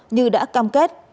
như đã cam kết